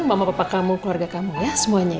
mama papa kamu keluarga kamu ya semuanya ya